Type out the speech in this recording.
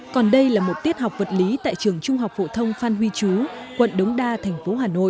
còn đây là một tiết học vật lý tại trường trung học phổ thông phan huy chú quận đống đa thành phố hà nội